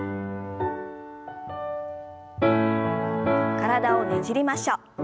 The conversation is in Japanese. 体をねじりましょう。